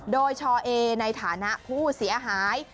โดยชอเอในฐานะผู้เสียหาย